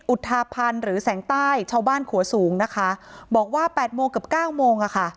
ทาพันธ์หรือแสงใต้ชาวบ้านขัวสูงนะคะบอกว่าแปดโมงเกือบเก้าโมงอ่ะค่ะ